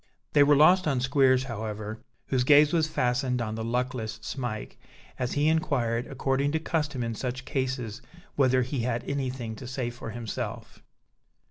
They were lost on Squeers, however, whose gaze was fastened on the luckless Smike, as he inquired, according to custom in such cases, whether he had anything to say for himself.